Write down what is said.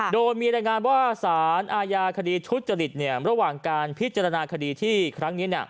โดยมีรายงานว่าสารอาญาคดีทุจริตระหว่างการพิจารณาคดีที่ครั้งนี้